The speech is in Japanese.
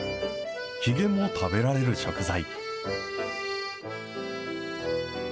ひげも食べられる食材。